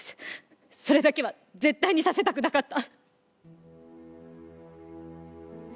それだけは絶対にさせたくなかった。